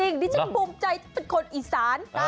ดิฉันภูมิใจเป็นคนอีสาน